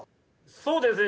そうですね。